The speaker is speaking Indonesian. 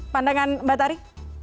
pandangan mbak tari